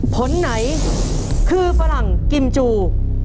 ผลไหนคือฝรั่งกิมจู